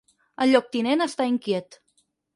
El lloctinent està inquiet.